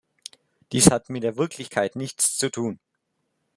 Dies hat mit der Wirklichkeit nichts zu tun.